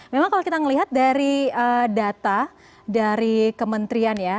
memang kalau kita melihat dari data dari kementerian ya